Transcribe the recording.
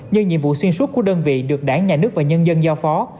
như nhiệm vụ xuyên suốt của đơn vị được đảng nhà nước và nhân dân giao phó